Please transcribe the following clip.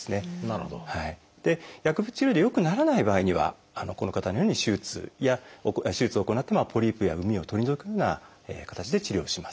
薬物治療で良くならない場合にはこの方のように手術を行ってポリープや膿を取り除くような形で治療をします。